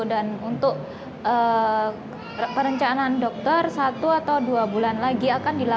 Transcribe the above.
dan untuk perencanaan dokter satu atau dua bulan lagi akan dilakukan